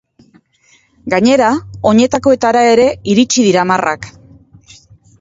Gainera, oinetakoetara ere iritsi dira marrak.